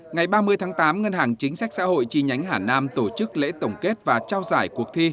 ngày ba mươi tháng tám ngân hàng chính sách xã hội chi nhánh hà nam tổ chức lễ tổng kết và trao giải cuộc thi